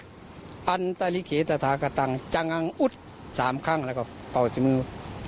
จังงอุดอันตริเขตภาคตังค์จังงอุดสามข้างแล้วก็เป่าที่มือ